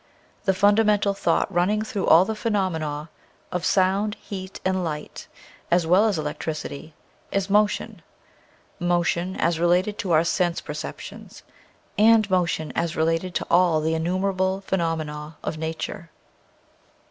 The fundamental thought running through all the phenomena of sound, heat, and light, as well as electricity, is Motion; motion, as related to our sense perceptions, and motion as related to all the innumerable phenomena of nature.